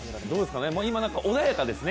今、なんか穏やかですね。